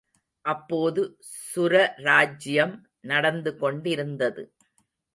அப்போது சுரராஜ்யம் நடந்து கொண்டிருந்தது.